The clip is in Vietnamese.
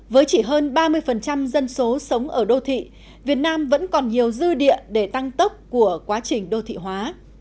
với chỉ hơn ba mươi dân số sống ở đô thị việt nam vẫn còn nhiều dư địa để tăng tốc của quá trình đô thị hóa